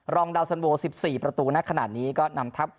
รองดาวสันโว๑๔ประตูในขณะนี้ก็นำทัพ